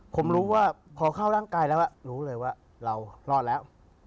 ผมรู้ว่าพอเข้าร่างกายแล้วรู้เลยว่าเรารอดแล้ว